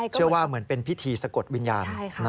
เหมือนเป็นพิธีสะกดวิญญาณ